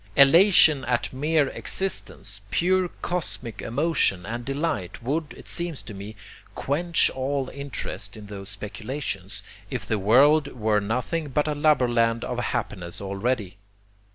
Elation at mere existence, pure cosmic emotion and delight, would, it seems to me, quench all interest in those speculations, if the world were nothing but a lubberland of happiness already.